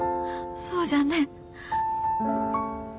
そうじゃ。